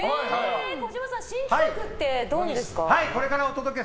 児嶋さん、新企画って何ですか。